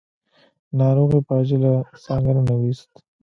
ناروغ يې په عاجله څانګه ننوېست.